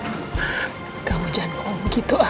jangan mengatakan begitu al